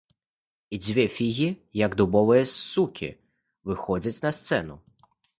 І дзве фігі, як дубовыя сукі, выходзяць на сцэну.